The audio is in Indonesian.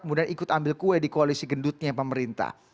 kemudian ikut ambil kue di koalisi gendutnya pemerintah